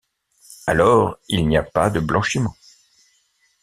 Alors, il n'y a pas de blanchiment.